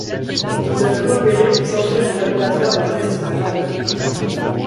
Ils doivent coopérer pour s'enfuir du laboratoire de test de Genron.